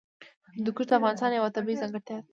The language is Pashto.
هندوکش د افغانستان یوه طبیعي ځانګړتیا ده.